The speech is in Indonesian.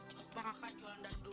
coba kakak jualan dari dulu